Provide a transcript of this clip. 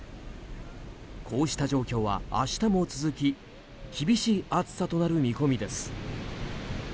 こうした状況は明日も続き厳しい暑さとなる見込みです。